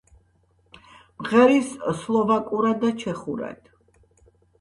მღერის სლოვაკურად და ჩეხურად.